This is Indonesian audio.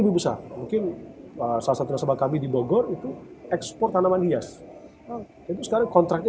lebih besar mungkin salah satu nasabah kami di bogor itu ekspor tanaman hias itu sekarang kontraknya